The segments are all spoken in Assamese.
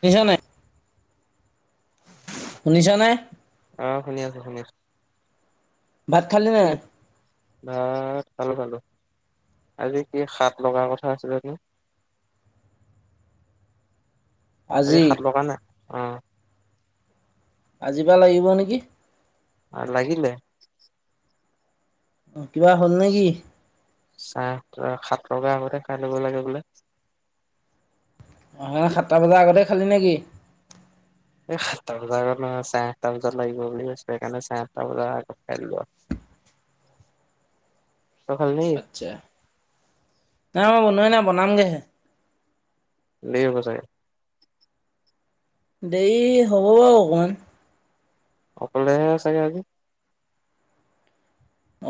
শুনিছা নাই? শুনিছা নে? অ' শুনি আছো শুনি আছো। ভাত খালি নে কি নাই? ভাত খালো খালো। আজি কি সাত লগাৰ কথা আছিলে [unintelligible] আজি সাত লগা নাই? অ'। আজি পা লাগিব নেকি? আ লাগিলে। [unintelligible] নেকি চাৰে সাতটা সাত লগাৰ আগতে খাই লব লাগে বোলে‌? হয় সাতটা বজাৰ আগতে খালি নেকি? এই সাতটা বজাৰ আগত নহয় চাৰে আঠটা বজাত লাগিব বুলি কৈছো সেইকাৰণে চাৰে আঠটা বজাৰ আগত খাই‌ দিলো‌ আৰু। তই খালি নেকি আচ্ছা। নাই মই বনোৱাই নাই বনামগেহে। দেৰি হব চাগে? দেৰি হ'ব বাৰু অকমান। অকলেহে চাগে আজি?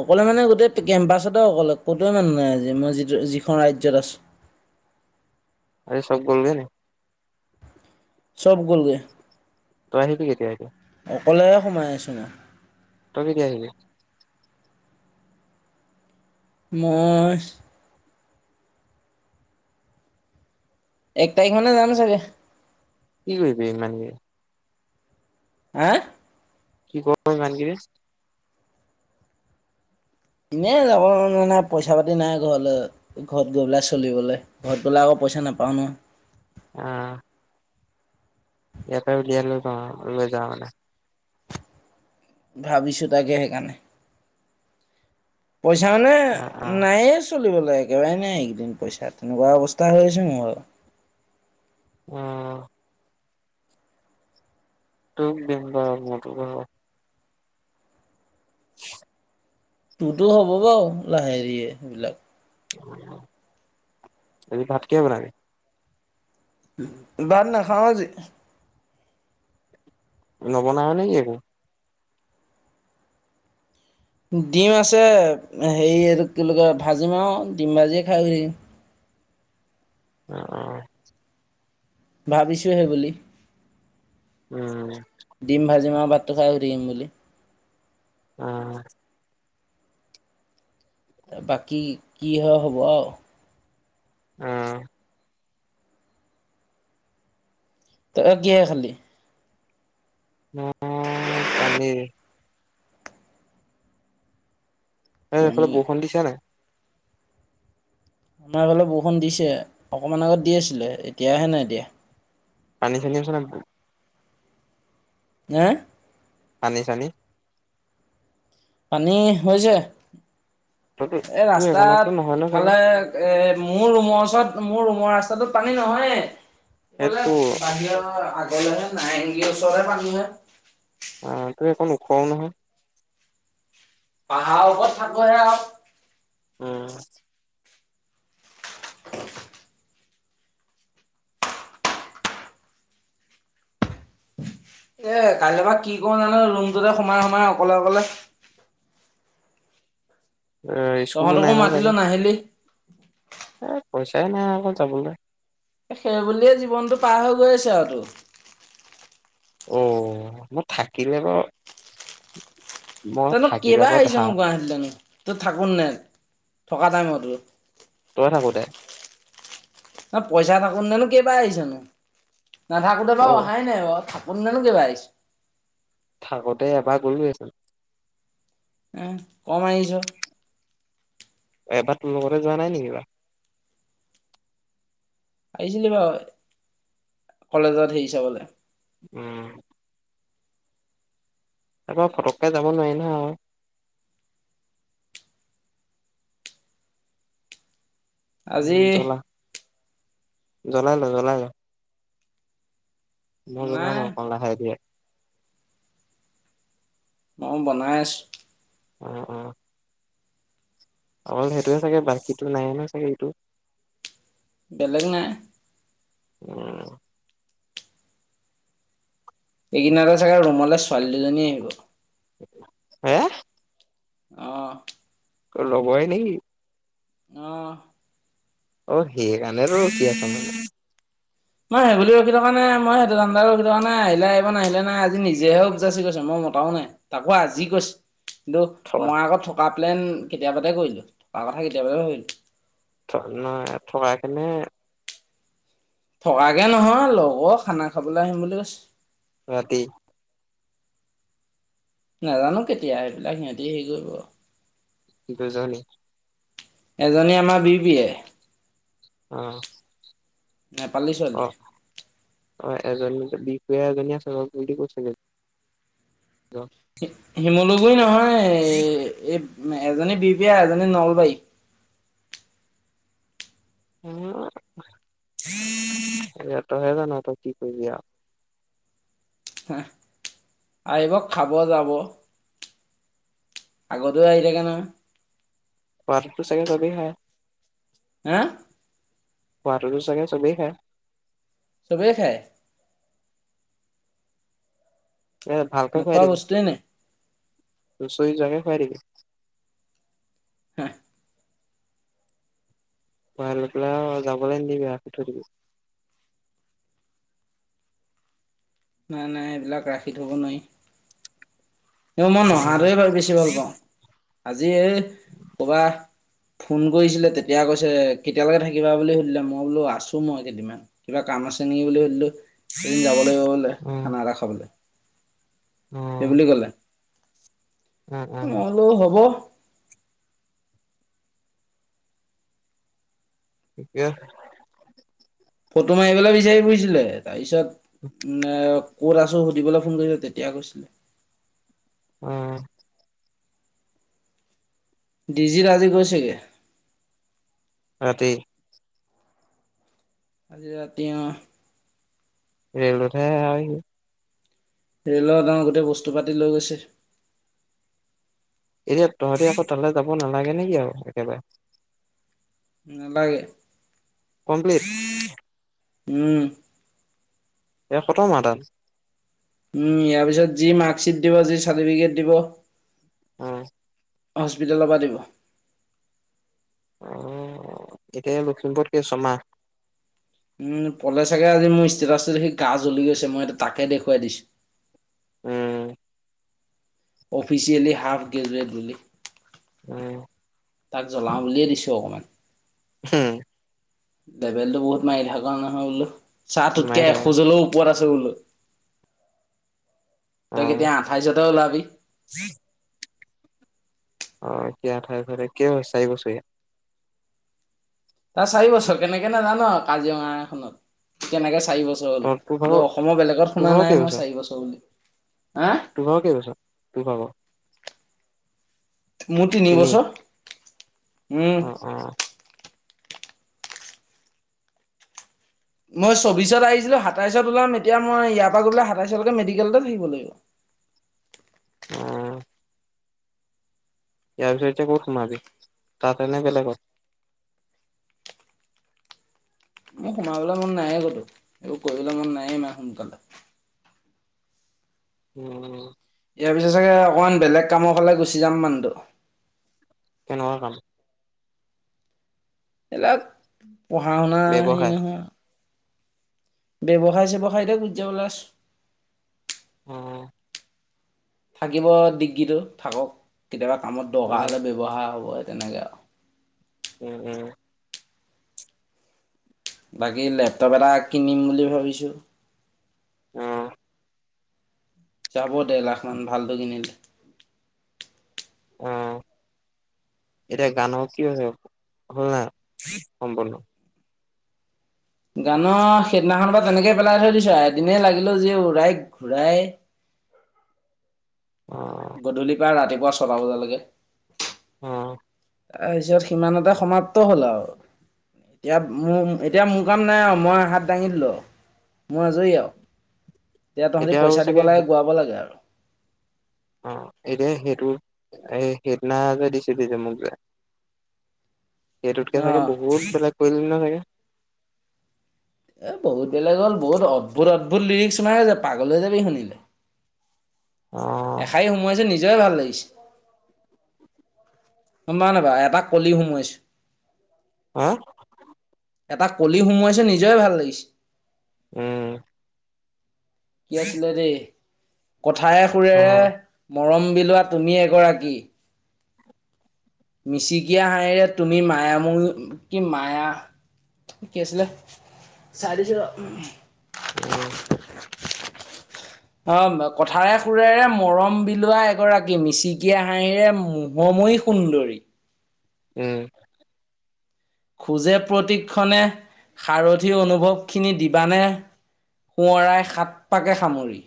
অকলে মানে গোটেই কেম্পাছতে অকলে ক'তোৱে মানুহ নাই আজি মই যিটো যিখন ৰাজ্যত আছো। আৰে চব গলগে নি? চব গলগে। তই আহিবি কেতিয়া এতিয়া? অকলে সোমাই আছো ন। তই কেতিয়া আহিবি? মই এক তাৰিখ মানে যাম চাগে। কি কৰিবি ইমান কে হা কি কৰ ইমান কে এনেই যাব যোৱা নাই পইচা পাতি নাই ঘৰলৈ ঘৰত গৈ পেলাই চলিবলৈ ঘৰত গ'লে আকৌ পইচা নাপাওঁ ন আহ ইয়াতে উলিয়াই লৈ যাওঁ আও লৈ যাওঁ মানে। ভাবিছো তাকে সেইকাৰণে পইচা মানে অ', অ', নাইয়ে চো- চলিবলৈ একেবাৰে নাই এইকেইদিন পইচা তেনেকুৱা অৱস্থা হৈ আছে মো ভাগৰ। অ তোক দিন ব মত [unintelligible] [inaudible] তোৰতো হ'ব বাৰু লাহে দিয়ে সেইবিলাক আজি ভাতকিহে বনাবি? বাত নাখাওঁ আজি। নবনাঅ নেকি একো ডিম আছে হেৰি এটো কি বোলি কয় ভাজিম আৰু ডিম ভাজিয়ে খাই দিম। অ অ ভাবিছোঁহে বুলি উম ভাত তো খাই শুই থাকিম বুলি। আহ বাকী কি হয় হ'ব আৰু আহ তই কিহে খালি ম--ই পনীৰ এ এইফালে পনীৰ বৰষুণ দিছে নাই আমাৰ ফালে বৰষুণ দিছে অকমান আগত দি আছিলে এতিয়াহে নাই দিয়া। পানী চানী আছে নাই ব হে এ পানী চানি পানী হৈছে তইতো এ তোৰ সেইকণততো নহয় ৰাস্তাত ন চাগে? ইফালে এ মোৰ ৰুমৰ ওচৰত মোৰ ৰুমৰ ৰাস্তাটোত পানী নহয়ে এই ফালে তোৰ বাহিৰৰ আগ এ নাই নিকি ওচৰে পানীহে অ তো একো নোখোৱাও নহয় পাহাৰৰ ওপৰত থাকহে আও উ [unintelligible] এ কাইলৈ পৰা কি কৰো জানো ৰুমটোতে সোমাই সোমাই অকলে অকলে এ স্কুলো নাই তহঁতকো নহয় মাতিলো চাগে? নাহিলি এ পইচাই নাই আকৌ যাবলৈ সেই বুলিয়ে জীৱনটো পাৰ হৈ গৈ আছে আৰু তো অ মই থাকিলে বাৰু মই তইনো থাকিলে কেইবা বাৰু আহিছে নো ধাৰ, গুৱাহাটী জানো তই থাকোন নোই থকা টাইমতো তই থাকো দে ন পইচা নাকোন ননো কেইবাই আহিছো নো নাথাকোতে বাৰ অ', অহাই নাই বাৰু কোন দিনা কেবা আহিছে থাকোতে এবাৰ গলোৱে চোন কম আহিছ এবাৰ তোৰ লগতে যোৱা নাই নেকি বাৰু আহিছিলি বাৰু কলেজত হেৰি চাবলে উম তাৰ পৰা পটককে যাব নোৱাৰি ন উম আজি জলা জ্বলাই ল জ্বলাই ল মই নাই জ্বলাম লাহে কৰে মই বনাই আছোঁ উম উম অকল সেইটো চাগে বাকীটোমড়মভ্ৰ মণ্ড নাইনো চাগে এইটো বেলেগ নাইযঢ়ঢ়। উম একিনতে চাগে ৰুমলে ছোৱালী দুজনী আহিব হে আহ অ লগৰ হয় নেকি আহ অ সেই কাৰণে ৰ কি আছ মানে মই সেইবুলি ৰখি থকা নাই মই সেইটো দানদা ৰখি থকাৰ নাই আহিলে নাহিলে নাই আজিজেব যাচি গছে মই মাও নাই তাকো আজি কৈছে কিন্তু মই আকৌ থকাৰ প্লেন কেতিয়াবাতে কৰিলো থকা কথা কেতিয়াবাতে ভাবিলো নহয় থকাই কেনে থকাকে নহয় লগৰ খানা খাবলৈ আহিম বুলি কৈছে ৰাতি নাজানো কেতিয়া সেইবিলাক সিহঁতি হেৰি কৰিব দুজনি এজনী আমাৰ বি বিয় আহচ মই অ ছোৱালী। অ এজনী [unintelligible] শিমলু গৰি নহয় ন এই উ এজনী বিপিয়া এজনী নলবাৰী উ এতিয়া তহে জান তই কি কৰিবি আও হেহ আহিব খাব যাব আগতে আহি থাকে নহয় পাৰটো চাগে চবেই খায় হেএ খোৱাটো কি চাগে চবেই খাই চবেই খাই এ ভালকে খুৱাই নোখোৱা দিম বস্তুৱে নাই চুচৰি যোৱাকে খোৱাই দিবি হা [unintelligible] যাবলৈ নিদিবি ৰাখি থৈ দিবি নাই নাই এইবিলাক ৰাখি থ'ব নোৱাৰি মই নহা টোৱে ভা বেছি ভাল পাওঁ আজি এই ক'বাত ফোন কৰিছিলে তেতিয়া কৈছে কেতিয়ালৈকে থাকিবা বুলি সুধিলে মই বোলো আছো মই কেইদিনমান কিবা কাম আছে নেকি বুলি সুধিলো এদিন যাব লাগিব বোলে অ খানা এটা খাবলে অ সেই অ বুলি কলে উম, উম, মই বোলো হব থিকে ফটো মাৰি পেলাই বিচাৰি ফুৰিছিলে তাৰপিছত মে ক'ত আছো দিবলৈ ফোন কৰিছিল তেতিয়া কৈছিলে অ ডিজিত আজি গৈছে গে ৰাতি আজি ৰাতি অ ৰেলতহে আহিব ৰেলৰ ডা গোটেই বস্তু পাতি লৈ গৈছে এতিয়া তহঁতি আকৌ তালৈ যাব নালাগে নেকি আৰু একেবাৰে নেলাগে কমপ্লিট উম এয়া খতম আ তাত উম ইয়াৰ পিছত যি মাৰ্কশ্বিট দিব যি চাৰ্টিফিকেট দিব উ হস্পিতেলৰ পৰা দিব অ এতিয়া লখিমপুৰতকে ছমাহ উম পলে চাগে আজি মোৰ ষ্টেটাছটো দে সি গা জ্বলি গৈছে মইটো তাকে দেখুৱাই দিছো। উম অফিচিয়েলি হাফ গ্ৰোজয়েট বুলি। উম তাক জ্বলাাম উলিয় দিছো অকমান হম ৰেবেলটো বহুত মাই থকা নহয় বোলো চা মাৰি তোতকে থাকে এখোজ হলেও ওপৰত আছো বোলো। তই অ', কেতিয়া আঠাইছ হে ওলাবি? অ' এতিয়া আঠাইছ [unintelligible] কেই বছ চাৰি বছৰীয়া। তাৰ চাৰি বছৰ কেনেকে নেজানো আও কাজিৰঙা খনত। কেনেকে চাৰি বছৰ ত হ'ল। তোৰ কিন্তু ভাগৰ অসমৰ বেলেগত তোৰ শুনা ভাগৰ নাই মই কেইবছৰ চাৰি বছৰ বুলি। হা? তোৰ ভাগৰ কেইবছৰ তোৰ ভাগৰ মোৰ তিনি বছৰ। উম। অ' অ'। মই ছব্বিছত আহিছিলো সাতাইছত ওলাম, এতিয়া মই ইয়াৰ পা গৈ পেলাই সাতাইছৰ লৈকে মেডিকেলতে থাকিব লাগিব। অ'। ইয়াৰ পিছত এতিয়া ক'ত সোমাবি? তাতে নে বেলেগত? মোক সোমাবলে মন নাইয়ে কতো, এইবোৰ কৰিবলে মন নায়ে ইমান সোনকালে। উম উ। ইয়াৰ পিছত চাগে অকমান বেলেগ কামৰ ফালে গুচি যাম মানুহটো। কেনেকুৱা কাম? [unintelligible] পঢ়া-শুনাৰ হেৰি ব্যৱসায় নহয় আৰু। ব্যৱসায় চেৱসায়তে গুছি যাবলে আছো। উম, থাকিব ডিগ্ৰীটো থাকক। কেতিয়াবা কামত দৰকাৰ উম, হ'লে ব্যৱহাৰ হ'ব। তেনেকে আও। উম উম। বাকী লেপটপ্ এটা কিনিম বুলি ভাবিছোঁ। উম। যাব ডেৰ লাখ মান ভালটো কিনিলে। উম, এতিয়া গানৰ কি [unintelligible] হ'ল নাই সম্পূৰ্ণ? গানৰ সেইদিনাখনৰ পৰা তেনেকে পেলাই থৈ দিছো আও এদিনেই লাগিলো যি উৰাই ঘূৰাই। অ গধূলিৰ পৰা ৰাতিপুৱা ছটা বজালৈকে। অহ। তাৰপিছত সিমানতে সমাপ্ত হ'ল আও, এতিয়া মো এতিয়া মোৰ কাম নাই আও, মই হাত দাঙি দিলোঁ মই আজৰি আও। এতিয়া তহঁতি এতিয়া আৰু পইচা দিব চাগে লাগে গোৱাব লাগে আৰু। অ' এতিয়া সেইটো এ সেইদিনা যে দিছিলি যে মোক যে সেইটোতকে চাগে অ'। বহুত বেলেগ কৰিলি ন চাগে? এ বহুত বেলেগ হ'ল। বহুত অদ্ভুত অদ্ভুত লিৰিক্স সোমাই আছে পাগল হৈ যাবি শুনিলে। অ এষাৰি সোমোৱাইছো নিজৰে ভাল লাগিছে। গম পাও নেপাও এটা কলি সোমোৱাইছোঁ। হা? এটা কলি সোমোৱাইছো নিজৰে ভাল লাগিছে। উম। কি আছিলে দেই কথায় অ সুৰেৰে মৰম বিলোৱা তুমি এগৰাকী মিচিকীয়া হাঁহৰে তুমি মায় মোৰ কি মায়া কি আছিলে চাই দিছো উম অ কথাৰে সুৰেৰে মৰম বিলোৱা এগৰাকী মিচিকিয়া হাঁহিৰে মহময় সুন্দৰী। উম খোজে প্ৰতি ক্ষণে সাৰথী অনুভৱখিনি দিবানে সোঁৱৰাই সাত পাকে সামৰি।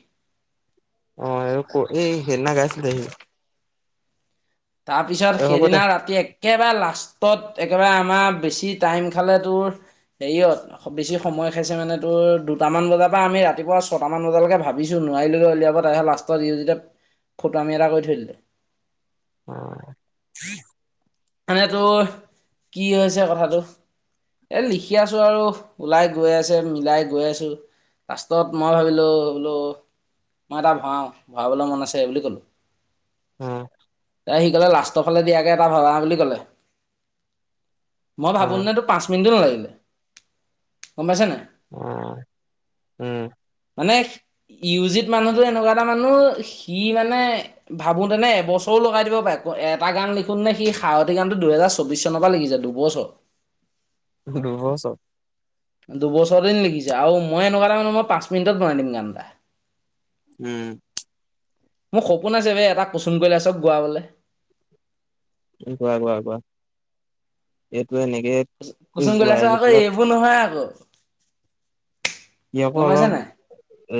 অ আৰু ক এই হেনা গাইছিল সি। তাৰপিছত এ হ'ব দে সেইদিনা ৰাতি এক একেবাৰে লাষ্টত একেবাৰে আমাৰ বেছি টাইম খালে তোৰ হেৰিয়ত বেছি সময় খাইছে মানে তোৰ দুটামান বজাৰ পৰা আমি ৰাতিপুৱা ছটামান বজালৈকে ভাবিছোঁ নোৱাৰিলৈকে উলিয়াব তাৰপাছত লাষ্টত ই যেতিয়া ফটোৱামি এটা কৰি থৈ দিলো। অ এনে তোৰ কি হৈছে কথাটো, এই লিখি আছো আৰু ওলাই গৈ আছে মিলাই গৈ আছো লাষ্টত মই ভাবিলোঁ বোলো মই এটা ভৰাওঁ ভৰাবলৈ মন আছে বুলি ক'লো। উম এ সি' কলে লাষ্টৰ ফে দিয়াকে এটা ভবা বুলি কলে মই অ ভাবো নে তো পাঁচ মিনিটো নালাগে গম পাইছা নাই। অ উম মানে ইউ জিত মানুহটোও এনেকুৱা এটা মানুহ সি মানে ভাবোতেনে এবছৰো লগাই দিব পাৰে এটা গান লিখোন নে সি সাৱতি গানটো দুহেজাৰ চৌবিশ চনৰ পৰা লিখি যায় দুবছৰ। দুবছৰ। দুবছৰ দিন লিখিছে আৰু মই এনেকুৱা এটা মানুহ মই পাঁচ মিনিটত বনাই দিম গান এটা। উম মোৰ সপোন আছে বে এটা কুসুম কৈলাসক গোৱাবলে। গুৱা গোৱা গুৱা কুচুম কৈলাস আকৌ এইবোৰ নহয় আকৌ ইয়াকো গম পাইছা অলপ নাই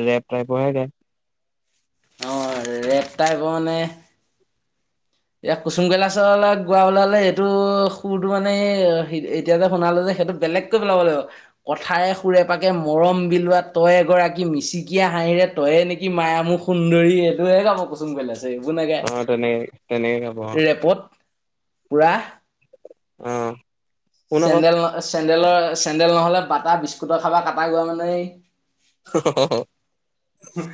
ৰেপ টাইপৰ হে গাই। অ ৰেপ টাইপৰ মানে এতিয়া কুচুম কৈলাচ লগত গোৱাবলে হলে সেইটো সুৰটো মানে এতিয়া যে শুনালে যে সেইটো বেলেগকৈ পেলাব লাগিব কথাৰে সুৰেপাকে মৰম বিলোৱা তই এগৰাকী মিচিকিয়া হাঁহিৰে তইয়ে নেকি মাইয়া মোহ সুন্দৰী সেইটোহে গাব কুচুম কৈলা অ তেনে তেনে গাব অ ৰেপত পুৰা অ শুন চেণ্ডেল ন চেণ্ডেলৰ চেন্দেল নহলে বাতা বিস্কুটৰ খাবা কাঁটা গোৱা মানে সেই অ